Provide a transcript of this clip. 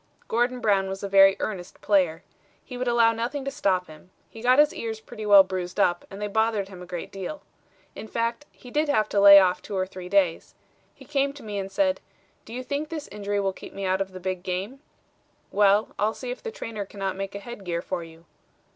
Gordon Brown was a very earnest player. He would allow nothing to stop him. He got his ears pretty well bruised up and they bothered him a great deal. In fact, he did have to lay off two or three days. He came to me and said, 'Do you think this injury will keep me out of the big game?' 'Well, I'll see if the trainer cannot make a head gear for you.'